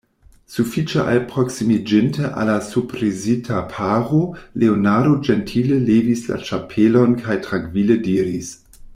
Sufiĉe alproksimiĝinte al la surprizita paro, Leonardo ĝentile levis la ĉapelon kaj trankvile diris: